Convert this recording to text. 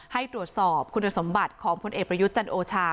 ให้ตรวจสอบคุณสมบัติของพลเอกประยุทธ์จันโอชา